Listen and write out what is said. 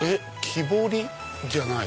木彫りじゃない。